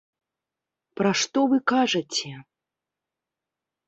Пра што вы кажаце?!